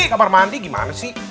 kamar mandi gimana sih